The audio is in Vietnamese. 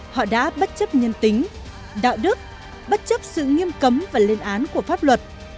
họ đã bất chấp nhân tính đạo đức bất chấp sự nghiêm cấm và lên án của pháp luật